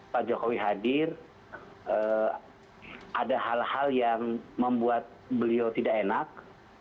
pak jokowi hadir ada hal hal yang membuat beliau tidak enak